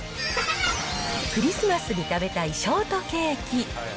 クリスマスに食べたいショートケーキ。